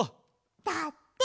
だって。